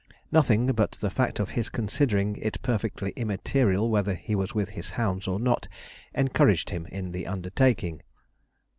Nothing but the fact of his considering it perfectly immaterial whether he was with his hounds or not encouraged him in the undertaking.